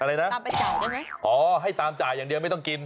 อะไรนะตามไปจ่ายได้ไหมอ๋อให้ตามจ่ายอย่างเดียวไม่ต้องกิน